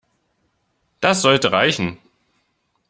Das sollte reichen!